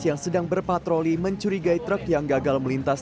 yang sedang berpatroli mencurigai truk yang gagal melintas